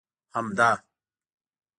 همدا!